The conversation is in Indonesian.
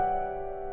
terima kasih yoko